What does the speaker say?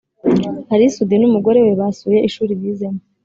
Ally soudy nu mugore we basuye ishuri bizemo